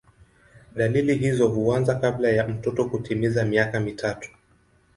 Dalili hizo huanza kabla ya mtoto kutimiza miaka mitatu.